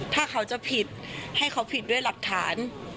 ถ้าเขาจะผิดให้เขาผิดด้วยหลักฐาน